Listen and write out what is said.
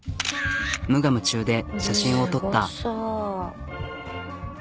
無我夢中で写真を撮った。